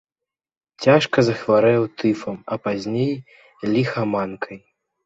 Цяжка захварэў тыфам, а пазней ліхаманкай.